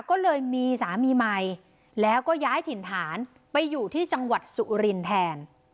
ก็เลยมีสามีใหม่แล้วก็ย้ายถิ่นฐานไปอยู่ที่จังหวัดสุรินแทน